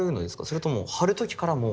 それとも貼る時からもう。